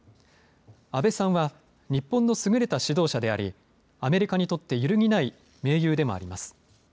安倍さんは日本の優れた指導者でありアメリカにとって揺るぎない盟友でもあります。